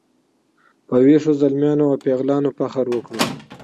په ویښو زلمیانو او پیغلانو فخر وکړو.